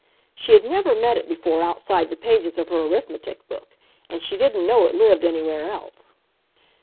She had never met it before outside the pages of her arithmetic book and she didn't know it lived anywhere else.